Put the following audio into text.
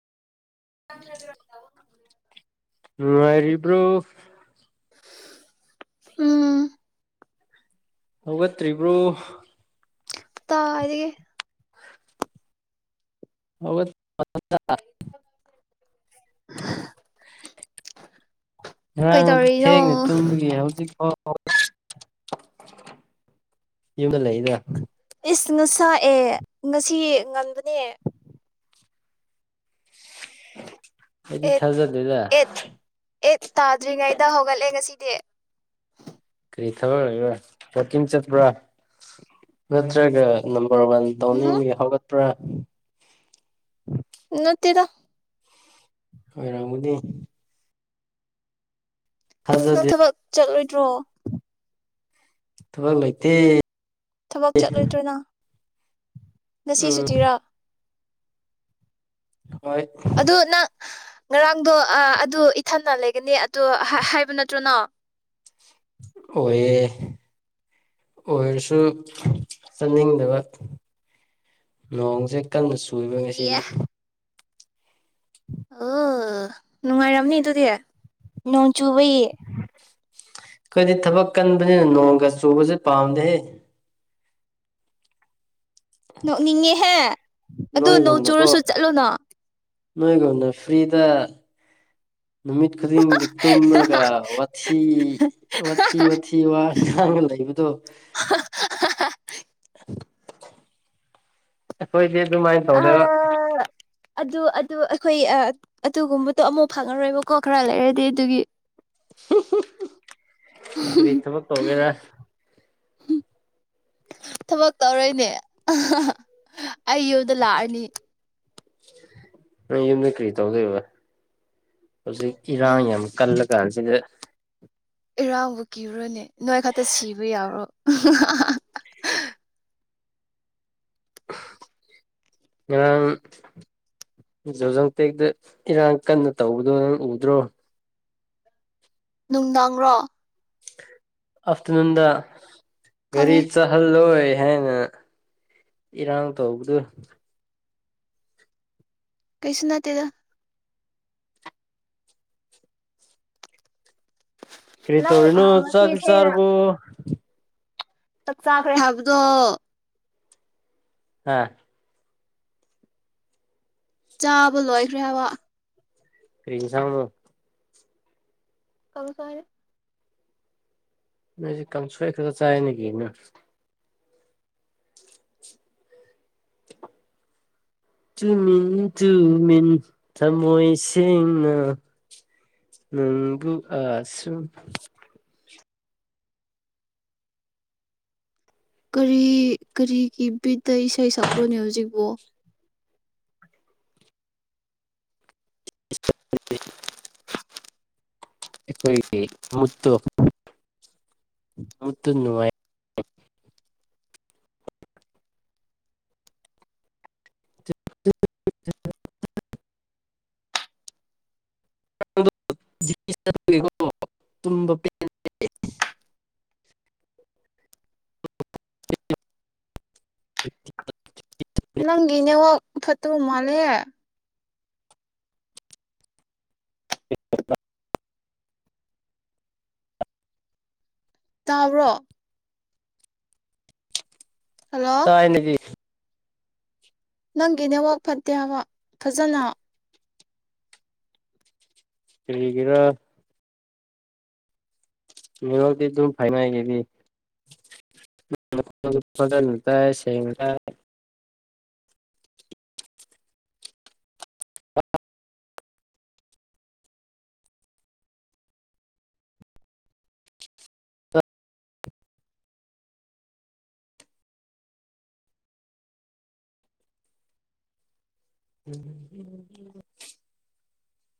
ꯄꯣ [unintelligible] ꯅꯨꯡꯉꯔꯤꯕ꯭ꯔꯣ ꯎꯝ ꯍꯧꯒꯠꯇ꯭ꯔꯤꯕ꯭ꯔꯣ ꯇꯥꯔꯤꯌꯦ [unintelligible] [unintelligible] ꯉꯔꯥꯡ ꯊꯦꯡꯅ ꯀꯩꯗꯧꯔꯤꯅꯣ ꯇꯨꯝꯕꯒꯤ ꯍꯧꯖꯤꯛ ꯐꯥꯎ ꯌꯨꯝꯗ ꯂꯩꯗ ꯏꯁ ꯉꯁꯥꯢ ꯑꯦ ꯉꯁꯤ ꯉꯟꯕꯅꯦ ꯑꯩꯗꯤ ꯑꯦꯠ ꯊꯥꯖꯗꯦꯗ ꯑꯦꯠ ꯑꯦꯠ ꯇꯥꯗ꯭ꯔꯤꯉꯩꯗ ꯍꯧꯒꯠꯂꯦ ꯉꯁꯤꯗꯤ ꯀꯔꯤ ꯊꯕꯛ ꯂꯩꯕꯔꯥ ꯋꯛꯀꯤꯡ ꯆꯠꯄ꯭ꯔꯥ ꯅꯠꯇ꯭ꯔꯒ ꯅꯝꯕꯔ ꯋꯥꯟ ꯎꯝ ꯇꯧꯅꯤꯡꯕꯒꯤ ꯍꯧꯒꯠꯄ꯭ꯔꯥ ꯅꯠꯇꯦꯗ ꯑꯣꯢꯔꯝꯒꯗꯤ ꯅꯪ ꯊꯥꯖꯗꯦ ꯊꯕꯛ ꯆꯠꯂꯣꯏꯗ꯭ꯔꯣ ꯊꯕꯛ ꯂꯩꯇ‌ꯦ ꯊꯕꯛ ꯆꯠꯂꯣꯏꯗꯔ‌ꯣ ꯅꯪ ꯉꯁꯤ ꯎꯝ ꯁꯨꯊꯤꯔꯥ ꯍꯣꯏ ꯑꯗꯨ ꯅꯪ ꯉꯔꯥꯡꯗꯣ ꯑꯗꯨ ꯏꯊꯟꯅ ꯂꯩꯒꯅꯤ ꯑꯗꯣ ꯍꯥꯏꯕ ꯅꯠꯇ꯭ꯔꯣ ꯅꯪ ꯍꯣꯢꯌꯦ ꯑꯣꯏꯔꯁꯨ ꯆꯠꯅꯤꯡꯗꯕ ꯅꯣꯡꯖ‌ꯦ ꯀꯟꯅ ꯆꯨꯢꯕ ꯉꯁꯤꯗꯤ ꯑꯦ [unintelligible] ꯑꯣ ꯅꯨꯡꯉꯥꯏꯔꯝꯅꯤ ꯑꯗꯨꯗꯤ ꯅꯣꯡ ꯆꯨꯕꯩ ꯑꯩꯈꯣꯏꯗꯤ ꯊꯕꯛ ꯀꯟꯕꯅꯤꯅ ꯅꯣꯡꯒ ꯆꯨꯕꯖ‌ꯦ ꯄꯥꯝꯗꯦꯍꯦ ꯅꯣꯛꯅꯤꯡꯉꯦꯍꯦ ꯑꯗꯨ ꯅꯣꯡ ꯆꯨꯔꯁꯨ ꯆꯠꯂꯣꯅ ꯅꯥꯏꯒꯨꯝꯅ ꯐ꯭ꯔꯤꯗ ꯅꯨꯃꯤꯠ ꯈꯨꯗꯤꯡꯒꯤ ꯇꯨꯝꯔꯒ ꯋꯥꯊꯤ ꯋꯥꯊꯤ ꯋꯥꯊꯤ ꯋꯥ ꯉꯥꯡꯉꯥ ꯂꯩꯕꯗꯣ [inaudible] ꯑꯩꯈꯣꯏꯗꯤ ꯑꯗꯨꯃꯥꯏꯅ ꯇꯧꯗ‌ꯦꯕ ꯑꯥ ꯑꯗꯨ ꯑꯗꯨ ꯑꯩꯈꯣꯏ ꯑꯗꯨꯒꯨꯝꯕꯗꯣ ꯑꯃꯨꯛ ꯐꯪꯉꯔꯣꯏꯕꯀꯣ ꯈꯔ ꯂꯩꯔꯗꯤ ꯑꯗꯨꯒꯤ ꯀꯔꯤ ꯊꯕꯛ ꯇꯧꯒꯦꯔ ꯊꯕꯛ ꯇꯧꯔꯣꯏꯅꯦ ꯍꯥ ꯍꯥ ꯑꯩ ꯌꯨꯝꯗ ꯂꯥꯛꯑꯅꯤ ꯅꯪ ꯌꯨꯝꯗ ꯀꯩ ꯇꯧꯗꯣꯏꯕ ꯍꯧꯖꯤꯛ ꯏꯔꯥꯡ ꯌꯥꯝ ꯀꯜꯂ ꯀꯥꯟꯁꯤꯗ ꯏꯔꯥꯡꯕ ꯀꯤꯕꯔꯅꯦ ꯅꯣꯏ ꯈꯛꯇ ꯁꯤꯕ ꯌꯥꯕꯔꯣ ꯉꯔꯥꯡ ꯖꯣꯖꯣꯡꯇꯦꯛꯇ ꯏꯔꯥꯡ ꯀꯟꯅ ꯇꯧꯕꯗꯣ ꯅꯪ ꯎꯗ꯭ꯔꯣ ꯅꯨꯡꯗꯥꯡꯔꯣ ꯑꯐꯇꯔꯅꯨꯟꯗ ꯒꯔꯤ ꯈꯪꯉꯦ ꯆꯠꯍꯜꯂꯣꯏ ꯍꯥꯏꯅ ꯏꯔꯥꯡ ꯇꯧꯕꯗꯨ ꯀꯩꯁꯨ ꯅꯠꯇꯦꯗ ꯀꯔꯤ ꯅꯪ ꯇꯧꯔꯤꯅꯣ ꯉꯁꯤ ꯆꯥꯛ ꯊꯦꯡꯅ ꯆꯥꯔꯕꯣ ꯆꯥꯛ ꯆꯥꯈ꯭ꯔꯦ ꯍꯥꯏꯕꯗꯣ ꯍꯥ ꯆꯥꯕ ꯂꯣꯏꯈ꯭ꯔꯦ ꯍꯥꯏꯕ ꯀꯔꯤ ꯏꯟꯁꯥꯡꯅ‌ꯣ ꯀꯪꯁ‌ꯣꯏ ꯅꯣꯏꯖ‌ꯦ ꯀꯪꯁꯣꯏ ꯈꯛꯇ ꯆꯥꯏꯅꯦ ꯀꯩꯅꯣ [unintelligible] ꯇꯨꯃꯤꯟ ꯇꯨꯃꯤꯟ ꯊꯝꯃꯣꯏ ꯁꯦꯡꯅ ꯅꯪꯕꯨ ꯑꯁꯨꯝ ꯀꯔꯤ ꯀꯔꯤꯒꯤ ꯕꯤꯠꯇ ꯏꯁꯩ ꯁꯛꯄ꯭ꯔꯣꯅꯦ ꯍꯧꯖꯤꯛꯕꯣ ꯑꯩꯈꯣꯏꯒꯤ ꯃꯨꯠꯇ‌ꯣ ꯃꯨꯠꯇ‌ꯣ ꯅꯨꯡꯉꯥꯏ [inaudible] [inaudible] [inaudible] ꯇꯨꯝꯕ ꯄꯦꯟ [inaudible] ꯅꯪꯒꯤ ꯅꯦꯠꯋꯥꯛ ꯐꯠꯇꯕ ꯃꯥꯂꯦ [unintelligible] ꯇꯥꯕ꯭ꯔꯣ ꯍꯜꯂꯣ ꯇꯥꯏꯅꯦꯍꯦ ꯅꯪꯒꯤ ꯅꯦꯠꯋꯥꯛ ꯐꯠꯇꯦ ꯍꯥꯏꯕ ꯐꯖꯅ ꯀꯔꯤꯒꯤꯔ [unintelligible] [unintelligible] [unintelligible]